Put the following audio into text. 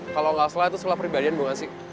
kalo gak salah itu sekolah pribadian bukan sih